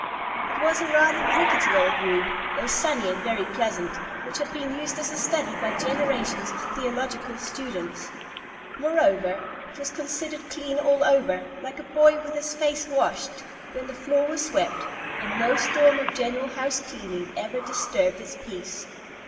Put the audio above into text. It was a rather rickety old room, though sunny and very pleasant, which had been used as a study by generations of theological students. Moreover, it was considered clean all over, like a boy with his face washed, when the floor was swept; and no storm of general house cleaning ever disturbed its peace.